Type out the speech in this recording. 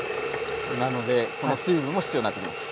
なのでこの水分も必要になってきます。